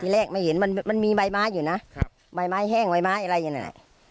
ที่แรกไม่เห็นมันมันมีไม้ไม้อยู่น่ะครับไม้ไม้แห้งไม้ไม้อะไรอย่างนั้น